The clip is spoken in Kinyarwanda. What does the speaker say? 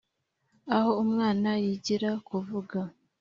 aho umwana yigira kuvuga